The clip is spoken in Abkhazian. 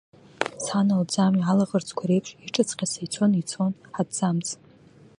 Сан лӡамҩа алаӷырӡқәа реиԥш иаҿыҵкьаса ицон, ицон, аҭӡамц.